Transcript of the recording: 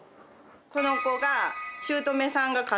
この子が。